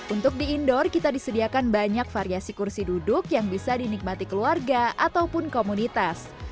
untuk di indoor kita disediakan banyak variasi kursi duduk yang bisa dinikmati keluarga ataupun komunitas